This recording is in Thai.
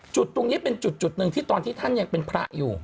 จุดตรงนี้เป็นจุดหนึ่งที่ตอนที่ท่านยังเป็นพระอยู่